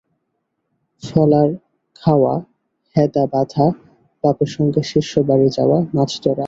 ফলার খাওয়া, হ্যাঁদা বাঁধা, বাপের সঙ্গে শিষ্যবাড়ি যাওয়া, মাছধরা।